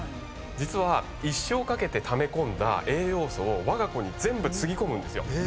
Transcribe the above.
実は一生かけてため込んだ栄養素をわが子に全部つぎ込むんですよ。